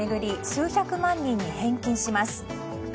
数百万人に返金します。